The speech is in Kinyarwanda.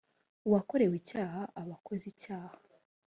uwakorewe icyaha aba akoze icyaha